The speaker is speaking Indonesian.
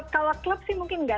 kalau klub sih mungkin nggak